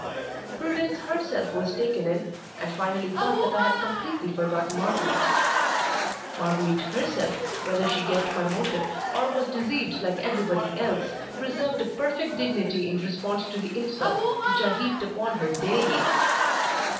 Prudence herself was taken in, and finally thought that I had completely forgotten Marguerite. Marguerite herself, whether she guessed my motive or was deceived like everybody else, preserved a perfect dignity in response to the insults which I heaped upon her daily.